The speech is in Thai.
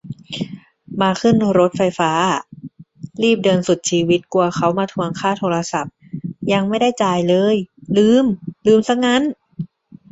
มาขึ้นรถไฟฟ้าอ่ะ รีบเดินสุดชีวิต กลัวเค้ามาทวงค่าโทรศัพท์ ยังไม่ได้จ่ายเลย ลืม ลืมซะงั้น